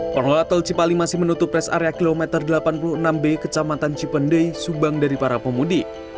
pengelola tol cipali masih menutup res area kilometer delapan puluh enam b kecamatan cipendei subang dari para pemudik